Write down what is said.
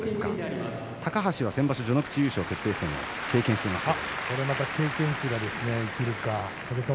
高橋は先場所序ノ口優勝を経験しています。